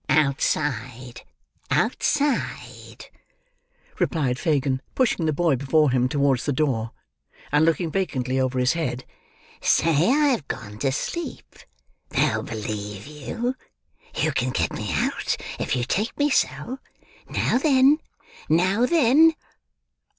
"Outside, outside," replied Fagin, pushing the boy before him towards the door, and looking vacantly over his head. "Say I've gone to sleep—they'll believe you. You can get me out, if you take me so. Now then, now then!"